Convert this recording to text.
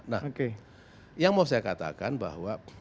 nah yang mau saya katakan bahwa